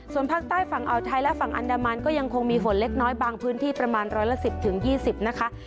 ส่วนภาคใต้ฝั่งอ่าวไทยและฝั่งอันดามันก็ยังคงมีฝนเล็กน้อยบางพื้นที่ประมาณร้อยละ๑๐๒๐นะคะ